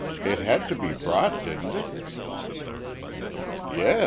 It had to be brought, hadn't it?" "Yes!